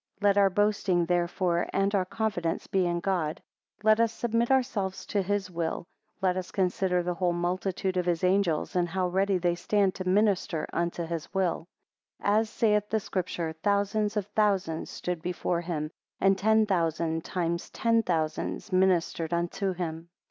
5 Let our boasting, therefore, and our confidence be in God let us submit ourselves to his will, Let us consider the whole multitude of his angels, how ready they stand to minister unto his will. 6 As saith the Scripture, thousands of thousands stood before him and ten thousand times ten thousand ministered unto him.